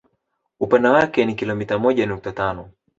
Upana wake ni kilomita moja nukta tano